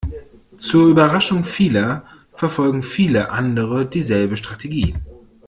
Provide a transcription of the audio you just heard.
Zur Überraschung vieler verfolgen viele andere dieselbe Strategie.